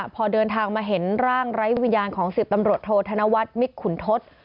พอเดินทางมาเห็นร่างไร้วิญญาณของ๑๐ตำรวจโทษธนวัฒน์มิกขุนทศ